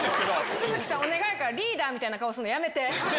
都築さん、お願いだから、リーダーみたいな顔するのやめて。